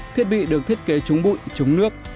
thiết bị được thiết kế chống bụi chống nước